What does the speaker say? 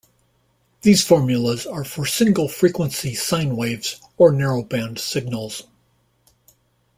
These formulas are for single-frequency sine waves or narrowband signals.